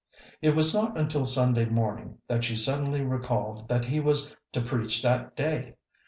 It was not until Sunday morning that she suddenly recalled that he was to preach that day.